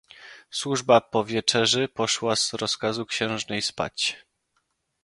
"Służba po wieczerzy poszła z rozkazu księżnej spać."